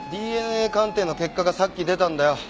ＤＮＡ鑑定の結果がさっき出たんだよ。